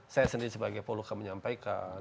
saya sendiri sebagai poluka menyampaikan